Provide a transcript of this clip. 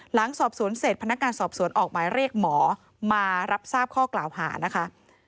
หลังสอบสวนเสร็จพนักงานสอบสวนออกหมายเรียกหมอมารับทราบข้อกล่าวหานะคะ